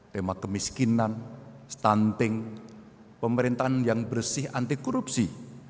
tema kemiskinan stunting pemerintahan yang bersih anti korupsi